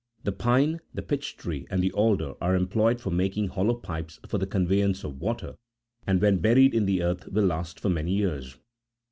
The pine, the pitch tree, and the alder are employed for making hollow pipes for the conveyance of water, and when buried in the earth will last for many years.